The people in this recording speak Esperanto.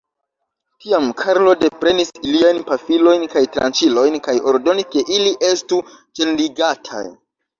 Tiam Karlo deprenis iliajn pafilojn kaj tranĉilojn, kaj ordonis, ke ili estu ĉenligataj.